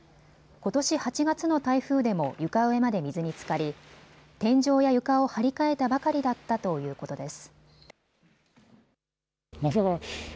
ことし８月の台風でも床上まで水につかり、天井や床を張り替えたばかりだったということです。